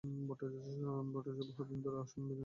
ভট্টাচার্য্য বহু দিন ধরি অসম বিধানসভার বিরোধী দলনেতা ছিলেন।